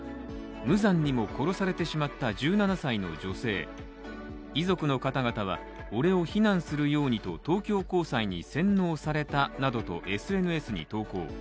無残にも殺されてしまった１７歳の女性遺族の方々は俺を非難するようにと東京高裁に洗脳されたなどとＳＮＳに投稿。